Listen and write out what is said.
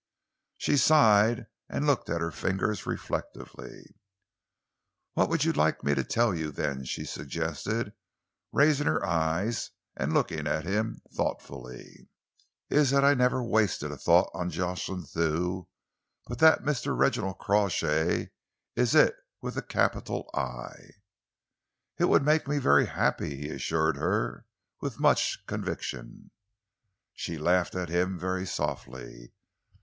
She sighed and looked at her fingers reflectively. "What you'd like me to tell you, then," she suggested, raising her eyes and looking at him thoughtfully, "is that I've never wasted a thought on Jocelyn Thew, but that Mr. Reginald Crawshay is it with a capital 'I'?" "It would make me very happy," he assured her with much conviction. She laughed at him very softly.